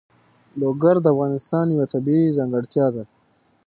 لوگر د افغانستان یوه طبیعي ځانګړتیا ده.